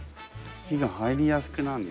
火が入りやすくなんだ。